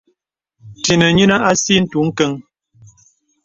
Tə́nə̀ nyinə asì ntǔ kəŋ.